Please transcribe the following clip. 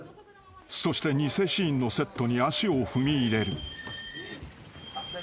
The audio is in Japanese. ［そして偽シーンのセットに足を踏み入れる］